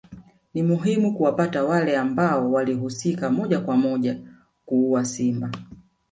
Ni muhimu kuwapata wale ambao walihusika moja kwa moja kuua Simba